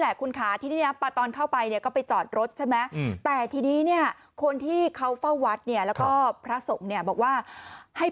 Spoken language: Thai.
อันนี้ก่อนอันนี้ก่อนอันนี้ก่อนนะฮะ